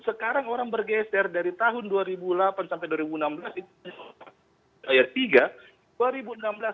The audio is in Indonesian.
sekarang orang bergeser dari tahun dua ribu delapan sampai dua ribu enam belas itu ayat tiga